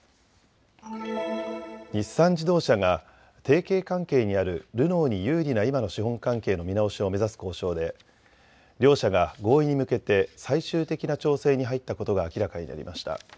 日産自動車が提携関係にあるルノーに有利な今の資本関係の見直しを目指す交渉で両社が合意に向けて最終的な調整に入ったことが明らかになりました。